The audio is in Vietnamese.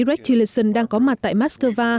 rex tillerson đang có mặt tại moscow